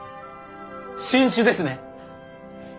新種ですね！